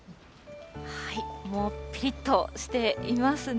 もうぴりっとしていますね。